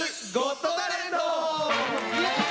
イエーイ！